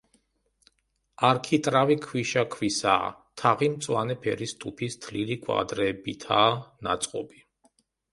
არქიტრავი ქვიშაქვისაა, თაღი მწვანე ფერის ტუფის თლილი კვადრებითაა ნაწყობი.